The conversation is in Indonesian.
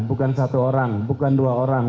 bukan satu orang bukan dua orang